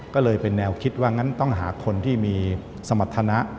ก็เลยเป็นแนวคิดว่างั้นต้องหาคนที่มีสมรรถนะ